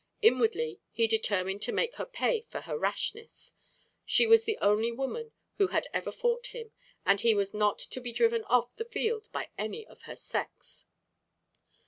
Inwardly he determined to make her pay for her rashness. She was the only woman who had ever fought him, and he was not to be driven off the field by any of the sex.